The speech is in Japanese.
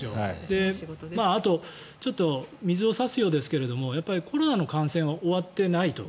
あと水を差すようですけどやっぱりコロナの感染は終わっていないと。